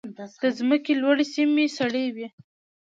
د ځمکې لوړې سیمې سړې وي.